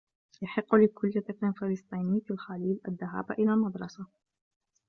يحقّ لكل طفل فلسطيني في الخليل الذهابَ إلى المدرسة.